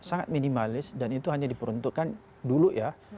sangat minimalis dan itu hanya diperuntukkan dulu ya